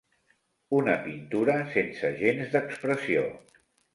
Una pintura sense gens d'expressió.